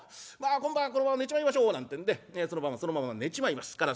まあ今晩はこのまま寝ちまいましょうなんてんでその晩はそのまま寝ちまいます。